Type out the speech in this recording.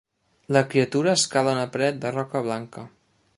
La criatura escala una paret de roca blanca.